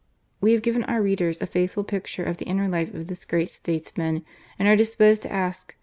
We have given our readers a faith ful picture of the inner life of this great statesman, and are disposed to ask.